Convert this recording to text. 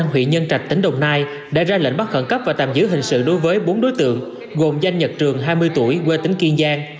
huyện nhân trạch tỉnh đồng nai đã ra lệnh bắt khẩn cấp và tạm giữ hình sự đối với bốn đối tượng gồm danh nhật trường hai mươi tuổi quê tỉnh kiên giang